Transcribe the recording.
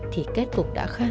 thì kết cục đã khác